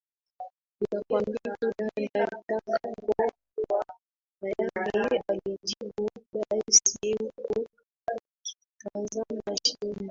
nitakwambia tu dada nitakapokuwa tayarialijibu Daisy huku akitazama chini